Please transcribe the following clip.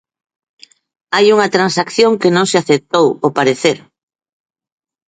Hai unha transacción que non se aceptou ao parecer.